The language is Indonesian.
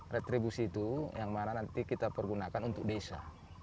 retribusi itu yang mana nanti kita pergunakan untuk desa